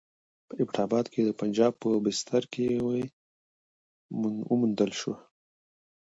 په ایبټ اباد کې د پنجاب په بستره کې وموندل شوه.